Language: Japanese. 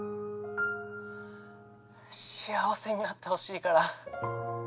幸せになってほしいから。